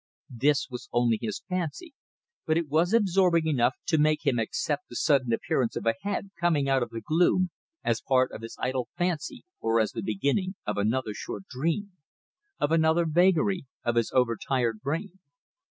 This was only his fancy, but it was absorbing enough to make him accept the sudden appearance of a head, coming out of the gloom, as part of his idle fantasy or as the beginning of another short dream, of another vagary of his overtired brain.